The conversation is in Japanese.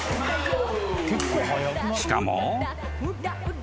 ［しかも］